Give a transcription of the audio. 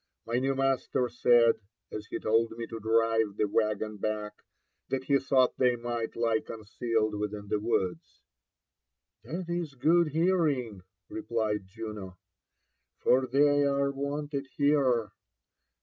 My new master said, as he told me to drive the waggon back, that he thought they might lie concealed within the woods." *' That is good hearing/' replied Juno, '' for they are wanted here.